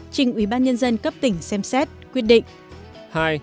trình ủy ban nhân dân cấp tỉnh xem xét quyết định